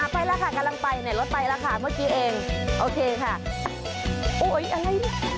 ไปละค่ะกำลังไปน่ะรถไปละค่ะเมื่อกี้เองโอเคค่ะ